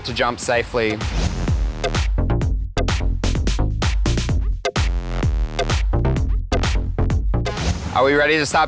หุ่นเสียบเรียเวิร์ด